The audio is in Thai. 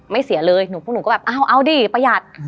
ไม่เสียเลยหนูพวกหนูก็แบบเอาเอาดิประหยัด